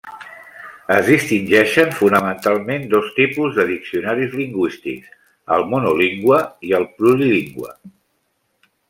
Es distingeixen fonamentalment dos tipus de diccionaris lingüístics: el monolingüe i el plurilingüe.